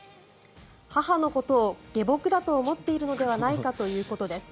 母のことを下僕だと思っているのではないかということです。